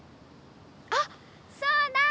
あっそうだ！